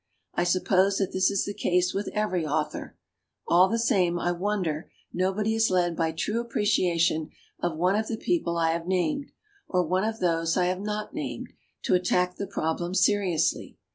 I suppose that this is the case with every au thor. All the same, I wonder nobody is led by true appreciation of one of the people I have named, or one of those I have not named, to attack the problem seriously.